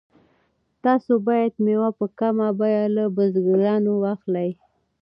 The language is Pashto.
تاسو باید مېوې په کمه بیه له بزګرانو واخلئ.